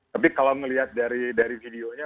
tapi kalau melihat dari videonya